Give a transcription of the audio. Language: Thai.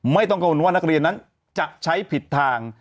ไม่ต้องกังวลว่านักเรียนนั้นจะใช้ผิดทาง